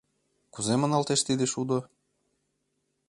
— Кузе маналтеш тиде шудо?